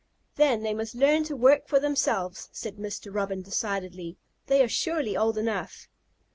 "Then they must learn to work for themselves," said Mr. Robin decidedly. "They are surely old enough."